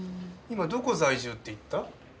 今どこ在住って言った？